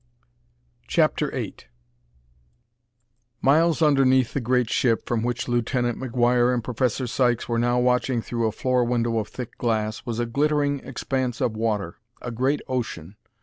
CHAPTER VIII Miles underneath the great ship, from which Lieutenant McGuire and Professor Sykes were now watching through a floor window of thick glass, was a glittering expanse of water a great ocean.